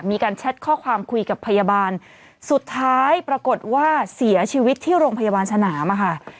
แชทข้อความคุยกับพยาบาลสุดท้ายปรากฏว่าเสียชีวิตที่โรงพยาบาลสนามอะค่ะ